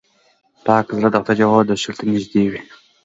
پاک زړه د خدای درشل ته نږدې وي.